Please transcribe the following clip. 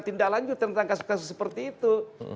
tindak lanjut tentang kasus kasus seperti itu